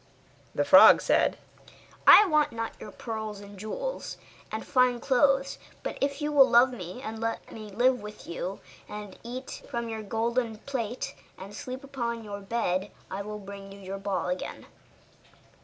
The frog said, 'I want not your pearls, and jewels, and fine clothes; but if you will love me, and let me live with you and eat from off your golden plate, and sleep upon your bed, I will bring you your ball again.